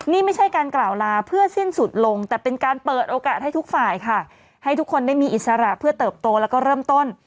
นี่ไม่ใช่การกล่าวลาเพื่อสิ้นสุดลงแต่เป็นการเปิดโอกาสให้ทุกฝ่ายค่ะให้ทุกคนได้มีอิสระเพื่อเติบโตแล้วก็เริ่มต้น